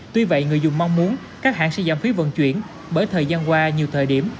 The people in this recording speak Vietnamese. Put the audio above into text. tuy vậy người dùng mong muốn các hãng sẽ giảm phí vận chuyển bởi thời gian qua nhiều thời điểm